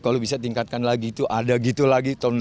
kalau bisa tingkatkan lagi itu ada gitu lagi